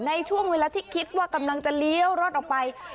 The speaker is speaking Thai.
ในช่วงเวลาที่คิดว่ากำลังจะเลี้ยวรถออกไป